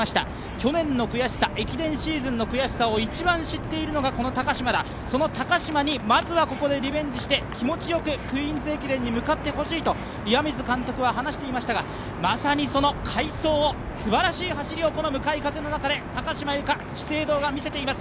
去年の悔しさ、駅伝シーズンの悔しさを一番知っているのがこの高島だ、その高島にまずはここでリベンジして、気持ちよく「クイーンズ駅伝」に向かってほしいと岩水監督は話していましたがまさにその快走を、すばらしい走りをこの向かい風の中で高島由香、資生堂が見せています。